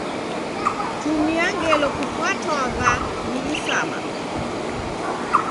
Tumia ngelo kupatwagha ni isama.